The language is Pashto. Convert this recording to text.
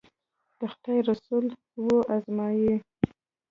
د خدای رسول و ازمایي.